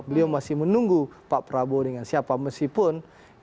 beliau masih menunggu pak prabowo dengan siapa meskipun